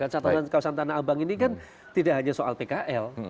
catatan kawasan tanah abang ini kan tidak hanya soal pkl